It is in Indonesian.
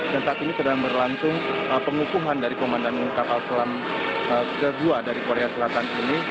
dan saat ini sedang berlangsung pengukuhan dari pemandangan kapal selam kedua dari korea selatan ini